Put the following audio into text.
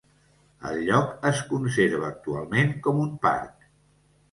El lloc es conserva actualment com un parc.